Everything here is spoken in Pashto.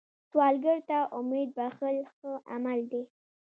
سوالګر ته امید بښل ښه عمل دی